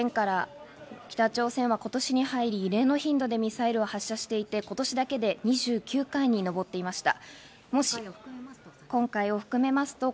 北朝鮮は今年に入り異例の頻度でミサイルを発射していて、今年だけで２９回に上っていました。